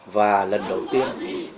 và lần đầu tiên